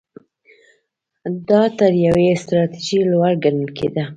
دا تر یوې ستراتیژۍ لوړ ګڼل کېده.